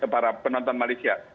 para penonton malaysia